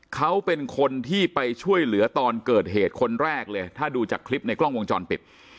เขาเป็นคนที่ไปช่วยเหลือตอนเกิดเหตุคนแรกเลยถ้าดูจากคลิปในกล้องวงจรปิด